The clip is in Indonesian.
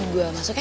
gue masuk ya